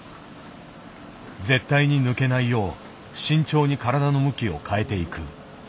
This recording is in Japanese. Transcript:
絶対に抜けないよう慎重に体の向きを変えていく。